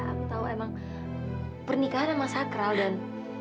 aku tahu emang pernikahan emang sakral dan